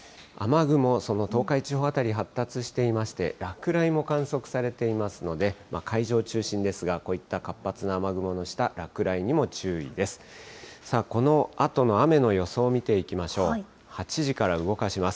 雨雲、その東海地方辺り、発達していまして、落雷も観測されていますので、海上中心ですが、こういった活発な雨雲の下、落雷にも注意です。